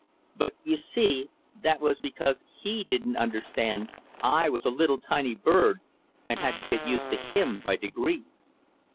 But, you see, that was because he didn't understand I was a little, tiny bird, and had to get used to him by degrees.